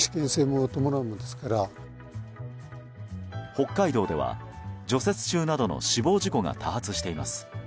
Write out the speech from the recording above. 北海道では除雪中などの死亡事故が多発しています。